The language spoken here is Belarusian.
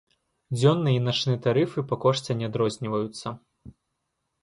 Дзённы і начны тарыфы па кошце не адрозніваюцца.